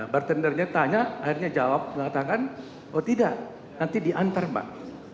bartendernya tanya akhirnya jawab mengatakan oh tidak nanti diantar mbak